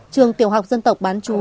trường tiểu học dân tộc bán chú